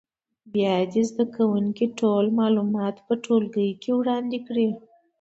بیا دې زده کوونکي ټول معلومات په ټولګي کې وړاندې کړي.